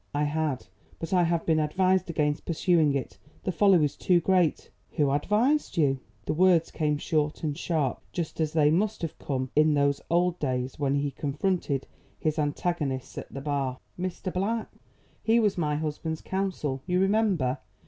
"I had; but I have been advised against pursuing it. The folly was too great." "Who advised you?" The words came short and sharp just as they must have come in those old days when he confronted his antagonists at the bar. "Mr. Black. He was my husband's counsel, you remember.